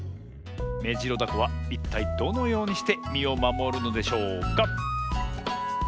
メジロダコはいったいどのようにしてみをまもるのでしょうか？